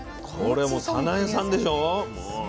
これもうさなゑさんでしょ。